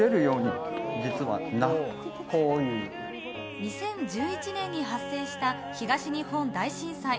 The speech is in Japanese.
２０１１年に発生した東日本大震災。